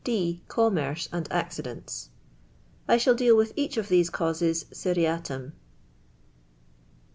D. Commerce and accidents: I sha'l deal with each of these c:iuses ioia^i'w.